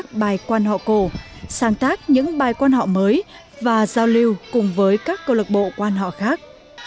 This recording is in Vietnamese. cô giáo truyền dạy quan họ cổ sáng tác những bài quan họ mới và giao lưu cùng với các câu lạc bộ quan họ khác